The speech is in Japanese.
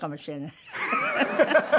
ハハハハ。